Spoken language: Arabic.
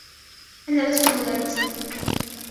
أنا لست مدرساً.